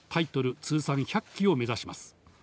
通算１００期を目指します。